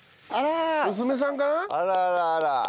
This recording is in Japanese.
あら！